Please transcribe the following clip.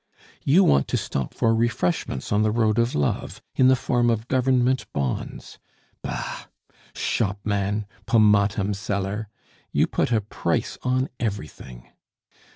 You want to stop for refreshments on the road of love in the form of Government bonds! Bah! Shopman, pomatum seller! you put a price on everything!